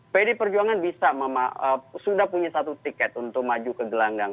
pdi perjuangan bisa sudah punya satu tiket untuk maju ke gelanggang